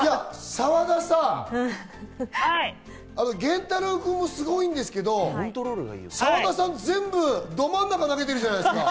澤田さん、玄太郎くんもすごいんですけど、澤田さん全部ど真ん中に投げてるじゃないですか。